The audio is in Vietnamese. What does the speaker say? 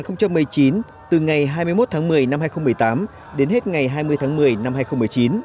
năm hai nghìn một mươi chín từ ngày hai mươi một tháng một mươi năm hai nghìn một mươi tám đến hết ngày hai mươi tháng một mươi năm hai nghìn một mươi chín